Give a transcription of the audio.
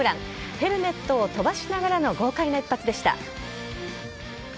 ヘルメットを飛ばしながらの豪快な一発でした。